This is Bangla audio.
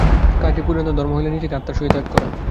কার্যে পরিণত ধর্ম হইল নিজেকে আত্মার সহিত এক করা।